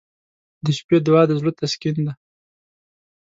• د شپې دعا د زړه تسکین دی.